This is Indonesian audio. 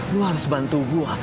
lu harus bantu gue